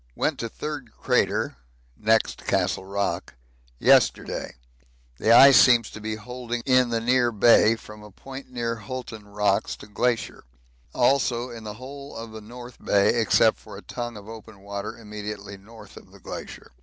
Went to Third Crater (next Castle Rock) yesterday. The ice seems to be holding in the near Bay from a point near Hulton Rocks to Glacier; also in the whole of the North Bay except for a tongue of open water immediately north of the Glacier.